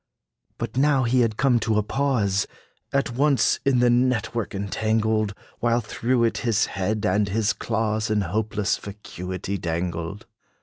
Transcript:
But now had he come to a pause, At once in the net work entangled, While through it his head and his claws In hopeless vacuity dangled.